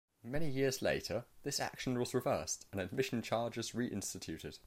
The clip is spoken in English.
Many years later, this action was reversed and admission charges re-instituted.